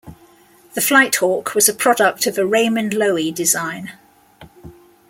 The Flight Hawk was a product of a Raymond Loewy design.